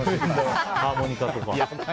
ハーモニカとか。